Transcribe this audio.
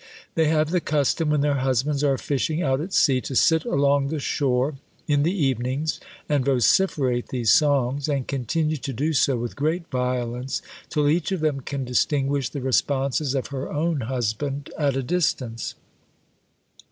They have the custom, when their husbands are fishing out at sea, to sit along the shore in the evenings and vociferate these songs, and continue to do so with great violence, till each of them can distinguish the responses of her own husband at a distance.